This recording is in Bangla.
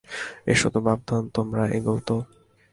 এস তো বাপধন, তোমরা এগোও তো।